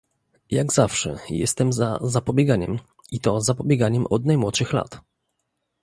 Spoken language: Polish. Jak zawsze, jestem za zapobieganiem, i to zapobieganiem od najmłodszych lat